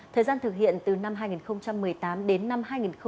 thời gian thực hiện từ năm hai nghìn một mươi tám đến năm hai nghìn hai mươi